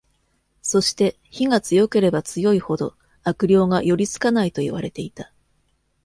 そして、火が強ければ強いほど、悪霊が寄り付かないと言われていた。